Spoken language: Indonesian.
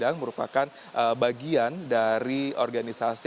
yang merupakan bagian dari organisasi